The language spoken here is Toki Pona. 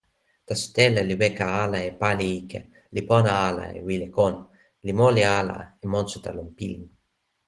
taso telo li weka ala e pali ike, li pona ala e wile kon, li moli ala e monsuta lon pilin.